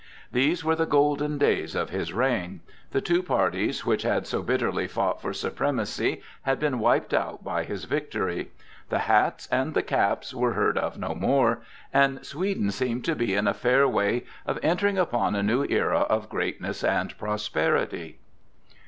These were the golden days of his reign. The two parties which had so bitterly fought for supremacy had been wiped out by his victory. The "hats" and the "caps" were heard of no more, and Sweden seemed to be in a fair way of entering upon a new era of greatness and prosperity.